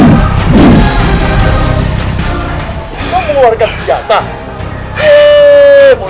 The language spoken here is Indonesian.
ibu nang akan selamatkan ibu